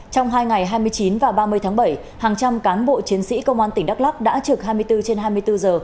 trong hai ngày hai mươi chín và ba mươi tháng bảy hàng trăm cán bộ chiến sĩ công an tỉnh đắk lắk đã trực hai mươi bốn trên hai mươi bốn giờ